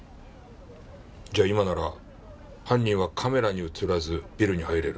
じゃあ今なら犯人はカメラに映らずビルに入れる。